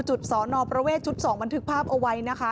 สอนอประเวทชุด๒บันทึกภาพเอาไว้นะคะ